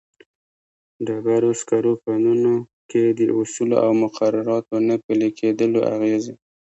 ډبرو سکرو کانونو کې د اصولو او مقرراتو نه پلي کېدلو اغېزې.